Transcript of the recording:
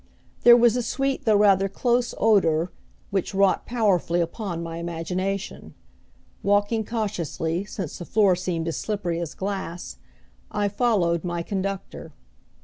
There was a sweet though rather close odor, which wrought powerfully upon my imagination. Walking cautiously, since the floor seemed as slippery as glass, I followed my conductor.